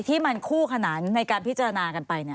ที่มันคู่ขนานในการพิจารณากันไป